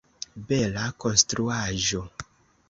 Bela konstruaĵo!